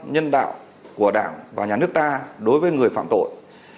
nhân đạo của đảng và nhà nước ta đối với người phạm tội